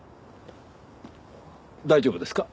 大丈夫ですか？